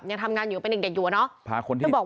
ยังทำงานอยู่เป็นเด็กอยู่อะเนาะ